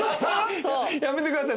やめてください！